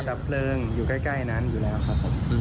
ดับเพลิงอยู่ใกล้นั้นอยู่แล้วครับผม